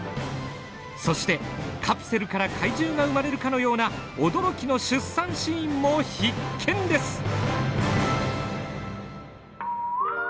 そしてカプセルから怪獣が産まれるかのような驚きの出産シーンも必見です！